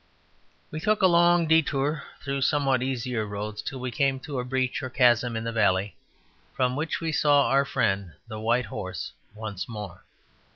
We took a long detour through somewhat easier roads, till we came to a breach or chasm in the valley, from which we saw our friend the White Horse once more.